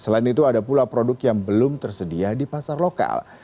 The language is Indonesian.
selain itu ada pula produk yang belum tersedia di pasar lokal